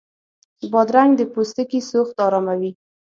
بادرنګ د پوستکي سوخت اراموي.